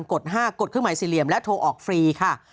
ด๕กดเครื่องหมายสี่เหลี่ยมและโทรออกฟรีค่ะ